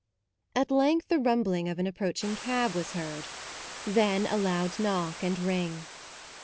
At length the rumbling of an ap proaching cab was heard ; then a 42 MAUDE loud knock and ring.